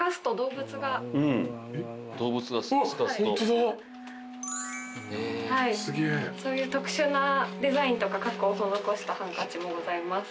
そういう特殊なデザインとか加工を施したハンカチもございます。